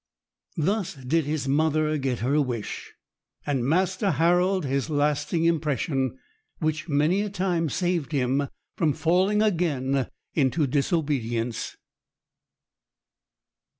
Thus did his mother get her wish, and Master Harold his lasting impression, which many a time saved him from falling again into disobedience.